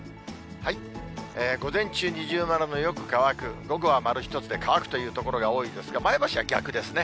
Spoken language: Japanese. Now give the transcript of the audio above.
午前中、二重丸のよく乾く、午後は丸１つで乾くという所が多いんですが、前橋は逆ですね。